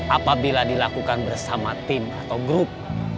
apabila dilakukan bersama tim atau grup